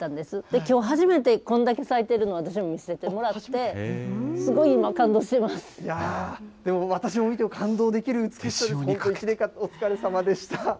きょう初めてこんだけ咲いてるのを私も見せてもらって、すごい今、いやー、でも私も見て、感動できる美しさです、本当１年間、お疲れさまでした。